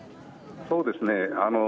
そうですね。